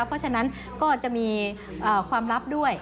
เพราะฉะนั้นก็จะมีความลับด้วย